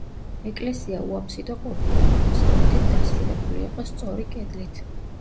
ეკლესია უაფსიდო ყოფილა, აღმოსავლეთით დასრულებული იყო სწორი კედლით.